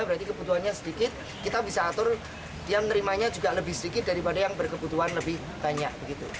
berarti kebutuhannya sedikit kita bisa atur dia menerimanya juga lebih sedikit daripada yang berkebutuhan lebih banyak